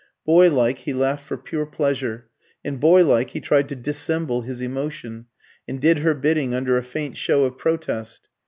Boy like he laughed for pure pleasure, and boy like he tried to dissemble his emotion, and did her bidding under a faint show of protest.